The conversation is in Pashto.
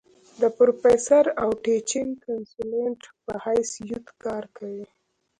د پروفيسر او ټيچنګ کنسلټنټ پۀ حېث يت کار کوي ۔